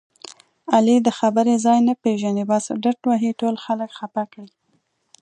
علي د خبرې ځای نه پېژني بس ډرت وهي ټول خلک خپه کړي.